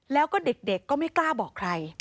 แล้วก็เด็กก็ไม่กล้าบอกใคร